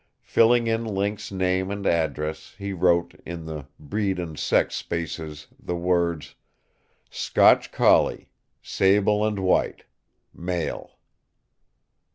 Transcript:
Filling in Link's name and address, he wrote, in the "breed and sex" spaces, the words, "Scotch collie, sable and white, male."